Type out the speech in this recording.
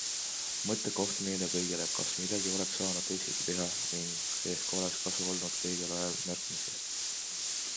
Mõttekoht meile kõigile, kas midagi oleks saanud teisiti teha ning ehk oleks kasu olnud õigel ajal märkamisest.